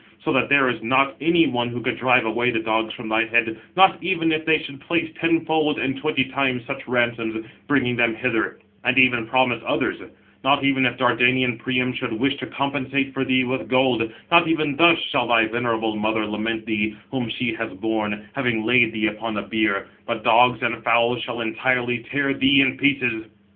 So that there is not any one who can drive away the dogs from thy head, not even if they should place ten fold and twenty times such ransoms, bringing them hither, and even promise others; not even if Dardanian Priam should wish to compensate for thee with gold: 709 not even thus shall thy venerable mother lament [thee] whom she has borne, having laid thee upon a bier, but dogs and fowl shall entirely tear thee in pieces."